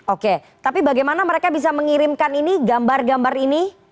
oke tapi bagaimana mereka bisa mengirimkan ini gambar gambar ini